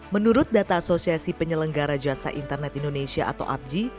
menurut data asosiasi penyelenggara jasa internet indonesia atau apji